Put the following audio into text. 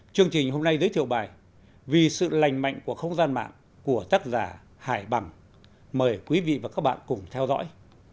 chương trình hôm nay giới thiệu bài vì sự lành mạnh của không gian mạng của tác giả hải bằng mời quý vị và các bạn cùng theo dõi